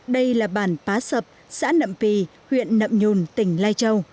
đây là bản pá sập xã nậm pì huyện nậm nhùn tỉnh lai châu